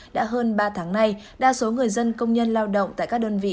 đã hơn ba tháng nay đa số người dân công nhân lao động tại các đơn vị